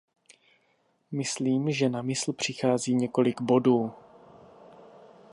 Myslím, že na mysl přichází několik bodů.